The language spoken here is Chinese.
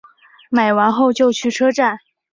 买完后就去车站